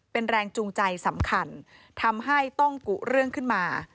เป็นแรงจูงใจสำคัญทำให้ต้องกุเรื่องขึ้นมา